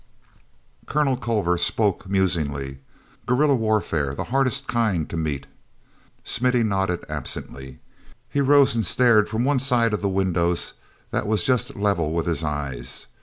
Colonel Culver spoke musingly. "Guerilla warfare, the hardest kind to meet." mithy nodded absently. He rose and stared from one of the side windows that was just level with his eyes.